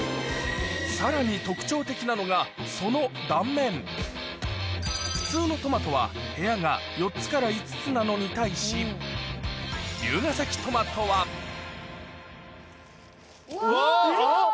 さらに特徴的なのがその断面普通のトマトは部屋が４つから５つなのに対し龍ケ崎トマトはあっ！